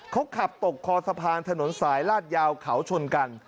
เขาขับตกคอสะพานถนนสายลาดยาวเขาชนกัน